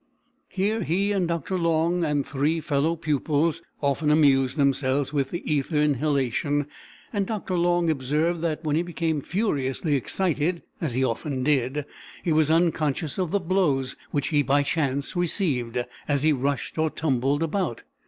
Here he and Dr. Long and three fellow pupils often amused themselves with the ether inhalation, and Dr. Long observed that when he became furiously excited, as he often did, he was unconscious of the blows which he, by chance, received as he rushed or tumbled about.